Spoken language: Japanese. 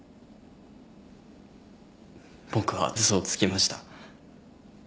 僕は嘘をつきました。